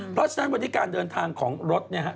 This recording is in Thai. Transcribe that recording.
เพราะฉะนั้นวันนี้การเดินทางของรถเนี่ยฮะ